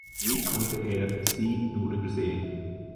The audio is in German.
Wie konnte er Sie nur übersehen?